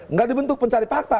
enggak dibentuk pencari fakta